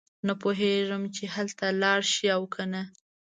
نه پوهېږي چې هلته لاړ شي او کنه.